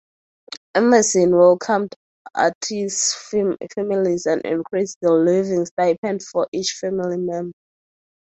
Anderson welcomed artists’ families and increased the living stipend for each family member.